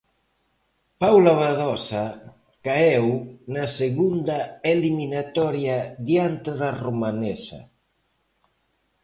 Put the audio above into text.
Paula Badosa caeu na segunda eliminatoria diante da romanesa.